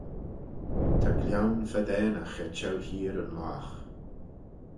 Ta glion fadaneagh er çheu heear yn logh.